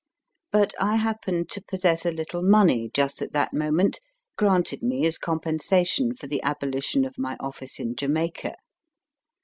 But I happened to possess a little money just at that moment, granted me as compensation for the abolition of my office in Jamaica.